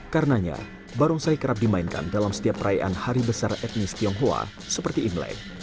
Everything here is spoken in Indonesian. karenanya barongsai kerap dimainkan dalam setiap perayaan hari besar etnis tionghoa seperti imlek